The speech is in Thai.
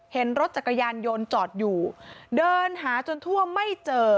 เห็นรถจักรยานยนต์จอดอยู่เดินหาจนทั่วไม่เจอ